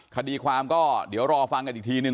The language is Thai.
คดีความก็เดี๋ยวรอฟังกันอีกทีนึง